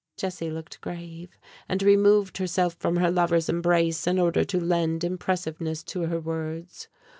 Jessie looked grave, and removed herself from her lover's embrace in order to lend impressiveness to her words.